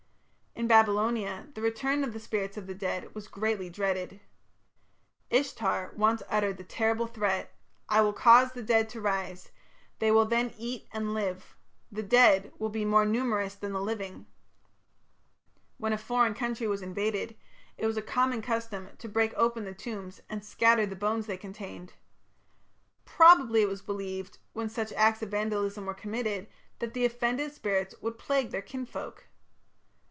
In Babylonia the return of the spirits of the dead was greatly dreaded. Ishtar once uttered the terrible threat: "I will cause the dead to rise; they will then eat and live. The dead will be more numerous than the living." When a foreign country was invaded, it was a common custom to break open the tombs and scatter the bones they contained. Probably it was believed, when such acts of vandalism were committed, that the offended spirits would plague their kinsfolk.